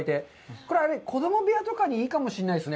これは子供部屋とかにいいかもしれないですね。